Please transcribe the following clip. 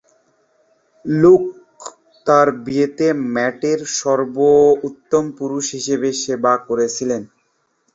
লূক তার বিয়েতে ম্যাটের সর্বোত্তম পুরুষ হিসেবে সেবা করেছিলেন।